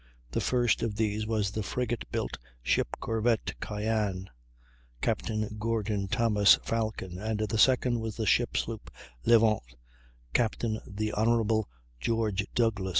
The first of these was the frigate built ship corvette Cyane, Captain Gordon Thomas Falcon, and the second was the ship sloop Levant, Captain the Honorable George Douglass.